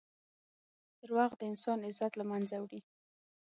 دروغ د انسان عزت له منځه وړي.